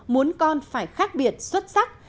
muốn con phải khác biệt xuất sắc